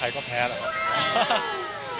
ใครก็แพ้นะคะ